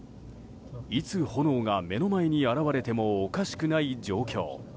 いつ、炎が目の前に現れてもおかしくない状況。